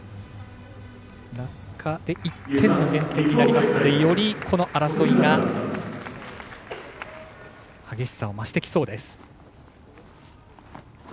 落下で１点の減点になりますのでより、この争いが激しさを増してきそうです。